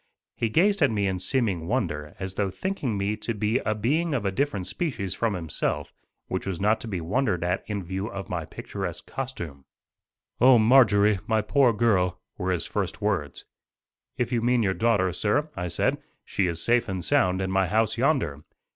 He gazed at me in seeming wonder as though thinking me to be a being of a different species from himself, which was not to be wondered at in view of my picturesque costume. "Oh Marjorie, my poor girl:" were his first words. "If you mean your daughter, sir," I said, "she is safe and sound in my house yonder."